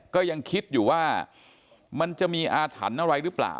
ก็ยังคิดอยู่ว่ามันจะมีอาถรรพ์อะไรหรือเปล่า